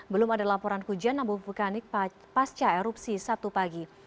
belum ada laporan hujan abu vulkanik pasca erupsi sabtu pagi